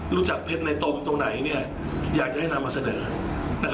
รู้จักเพชรในตมตรงไหนอยากจะให้นำมาเสนอ